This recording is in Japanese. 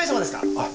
あっ。